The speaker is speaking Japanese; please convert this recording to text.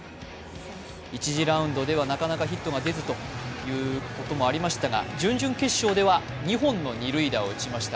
１次ラウンドではなかなかヒットが出ずということもありましたが準々決勝では２本の二塁打を打ちました。